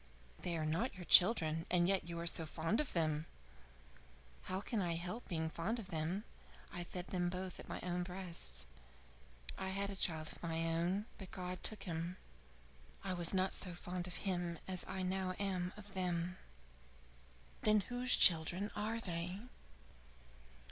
"They are not your children and yet you are so fond of them?" "How can I help being fond of them? I fed them both at my own breasts. I had a child of my own, but God took him. I was not so fond of him as I now am of them." "Then whose children are they?"